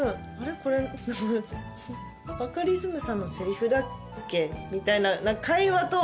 これバカリズムさんのセリフだっけ？」みたいな会話と。